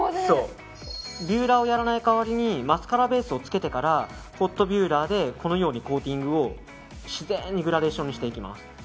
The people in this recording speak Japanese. ビューラーをやらない代わりにマスカラベースをつけてからホットビューラーでコーティングを自然にグラデーションにしていきます。